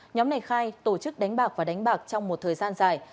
nhóm này khai tổ chức đánh bạc và đánh bạc trong một thời gian dài